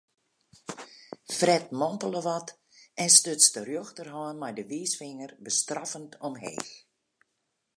Fred mompele wat en stuts de rjochterhân mei de wiisfinger bestraffend omheech.